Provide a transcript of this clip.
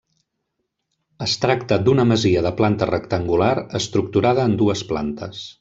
Es tracta d'una masia de planta rectangular estructurada en dues plantes.